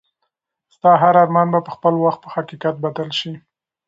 ستا هر ارمان به په خپل وخت په حقیقت بدل شي.